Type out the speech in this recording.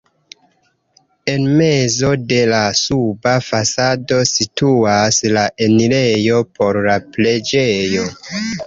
En mezo de la suba fasado situas la enirejo por la preĝejo.